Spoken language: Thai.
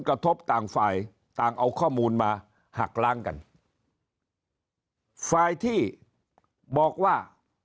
กระทบต่างฝ่ายต่างเอาข้อมูลมาหักล้างกันฝ่ายที่บอกว่า